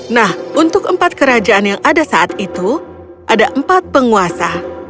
nah untuk empat kerajaan yang ada saat itu ada empat penguasa